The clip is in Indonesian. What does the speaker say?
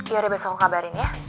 ya udah besok gue kabarin ya